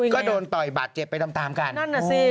ก็โดนต่อยบาดเจ็บไปตามตามกันนั่นน่ะสิ